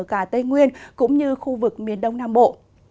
ở cả tây nguyên cũng như khu vực miền đông nam bộ